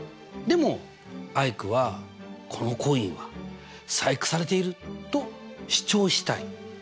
でもアイクは「このコインは細工されている」と主張したい。